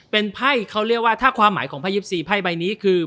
เป็นไพ่เขาเรียกว่าถ้าความหมายของไพ๒๔ไพ่ใบนี้คือ